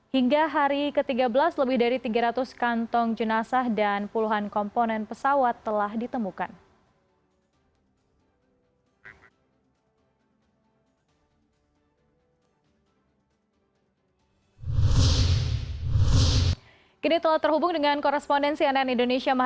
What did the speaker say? hingga hari ke tiga belas lebih dari tiga ratus kantong jenazah dan puluhan komponen pesawat telah ditemukan